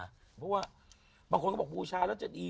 เพราะว่าบางคนก็บอกบูชาแล้วจะดี